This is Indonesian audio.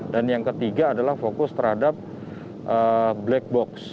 dan yang ketiga adalah fokus terhadap black box